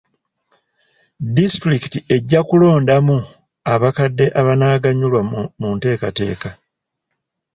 Disitulikiti ejja kulondamu abakadde abanaaganyulwa mu nteekateeka.